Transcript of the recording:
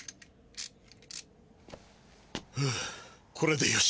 ふうこれでよし。